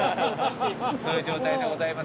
そういう状態でございますが。